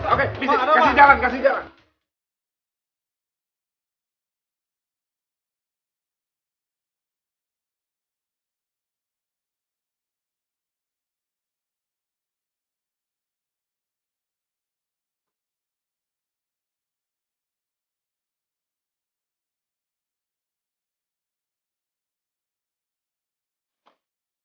oke misi kasih jalan kasih jalan